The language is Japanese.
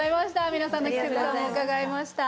皆さんの季節伺いました。